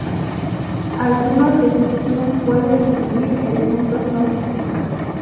Algunos de ficción puede incluir elementos no ficción.